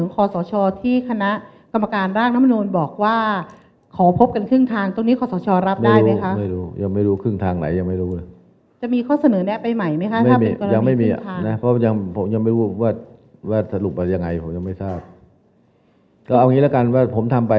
กฎหมายว่าไปนะ